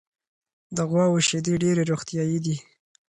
د غواوو شیدې ډېرې روغتیایي دي.